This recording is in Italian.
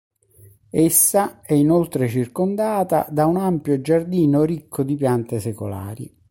Essa è inoltre circondata da un ampio giardino ricco di piante secolari.